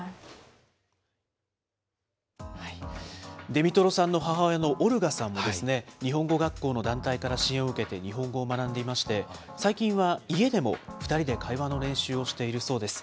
デミトロさんの母親のオルガさんですね、日本語学校の団体から支援を受けて、日本語を学んでいまして、最近は家でも２人で会話の練習をしているそうです。